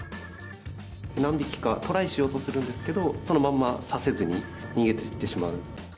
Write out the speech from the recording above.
何匹かトライしようとするんですけれども、そのまんま刺せずに逃げていってしまう。